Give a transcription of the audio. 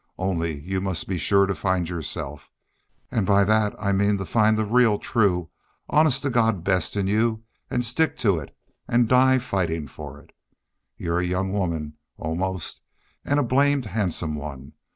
Only you must be sure to find yourself. An' by thet I mean to find the real, true, honest to God best in you an' stick to it an' die fightin' for it. You're a young woman, almost, an' a blamed handsome one.